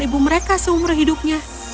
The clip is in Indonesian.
ibu mereka seumur hidupnya